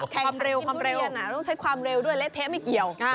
แข่งคันกินทุเรียนต้องใช้ความเร็วด้วยเละเทะไม่เกี่ยว